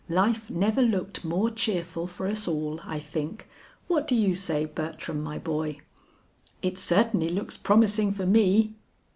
"Life never looked more cheerful for us all, I think; what do you say, Bertram my boy." "It certainly looks promising for me."